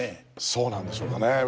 そうなんでしょうかね。